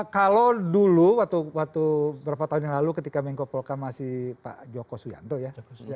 kalau dulu waktu berapa tahun yang lalu ketika menko polka masih pak joko suyanto ya